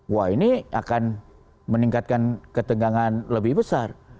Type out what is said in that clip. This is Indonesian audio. wah ini akan meningkatkan ketegangan lebih besar